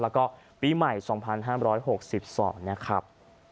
แล้วก็ปีใหม่๒๕๖๒นะครับ